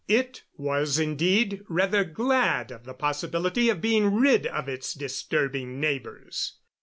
It was, indeed, rather glad of the possibility of being rid of its disturbing neighbors.